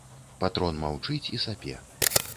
Патрон маўчыць і сапе.